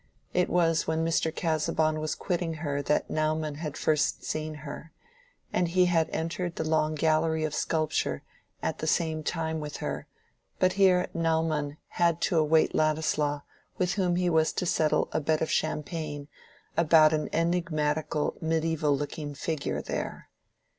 It was when Mr. Casaubon was quitting her that Naumann had first seen her, and he had entered the long gallery of sculpture at the same time with her; but here Naumann had to await Ladislaw with whom he was to settle a bet of champagne about an enigmatical mediaeval looking figure there.